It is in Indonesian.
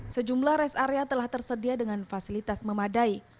sejumlah rest area telah tersedia dengan fasilitas memadai